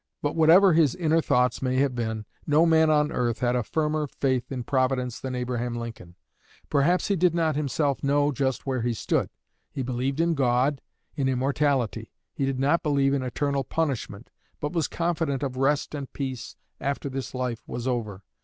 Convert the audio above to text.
But whatever his inner thoughts may have been, no man on earth had a firmer faith in Providence than Abraham Lincoln. Perhaps he did not himself know just where he stood. He believed in God in immortality. He did not believe in eternal punishment, but was confident of rest and peace after this life was over.